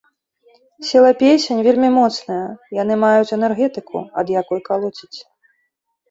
Сіла песень вельмі моцная, яны маюць энергетыку, ад якой калоціць.